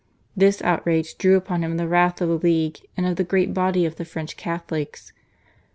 This outrage drew upon him the wrath of the League and of the great body of the French Catholics.